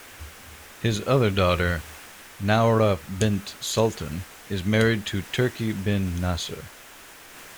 His other daughter, Noura bint Sultan, is married to Turki bin Nasser.